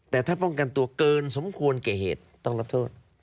แต่ถ้าป้องกันตัวเกินสมควรแก่เหตุต้องรับโทษ